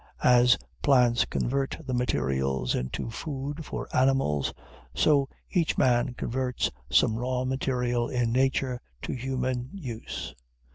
As plants convert the minerals into food for animals, so each man converts some raw material in nature to human use.